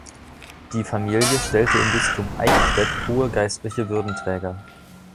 Die Familie stellte im Bistum Eichstätt hohe geistliche Würdenträger.